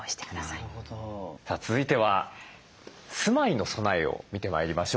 さあ続いては住まいの備えを見てまいりましょう。